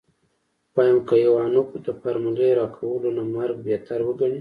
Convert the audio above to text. ويم که ايوانوف د فارمولې راکولو نه مرګ بهتر وګڼي.